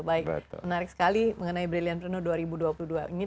baik menarik sekali mengenai brilliantpreneur dua ribu dua puluh dua ini